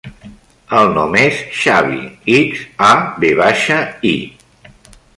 El nom és Xavi: ics, a, ve baixa, i.